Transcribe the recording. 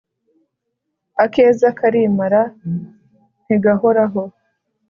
Akeza karimara nti gahoraho